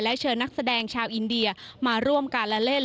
เชิญนักแสดงชาวอินเดียมาร่วมการละเล่น